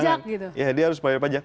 ya dia harus bayar pajak